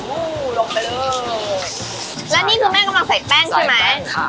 อู้วลงไปเลยแล้วนี่คือแม่กำลังใส่แป้งใช่ไหมใส่แป้งค่ะ